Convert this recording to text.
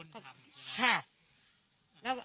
คุณทิพย์ค่ะ